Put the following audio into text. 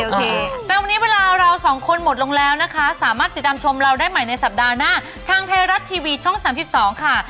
โอเคแต่วันนี้เวลาเราสองคนหมดลงแล้วนะคะสามารถติดตามชมเราได้ใหม่ในสัปดาห์หน้าทางไทยรัฐทีวีช่อง๓๒ค่ะ